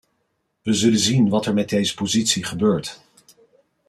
We zullen zien wat er met deze positie gebeurt.